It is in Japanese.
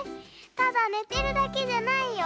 ただねてるだけじゃないよ。